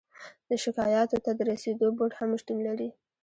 د شکایاتو ته د رسیدو بورد هم شتون لري.